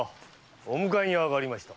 お迎えにあがりました。